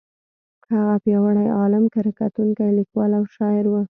هغه پیاوړی عالم، کره کتونکی، لیکوال او شاعر و.